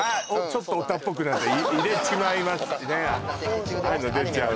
ちょっとオタっぽくなった入れちまいますねああ